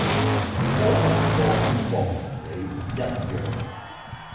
可能個感覺同你唔一樣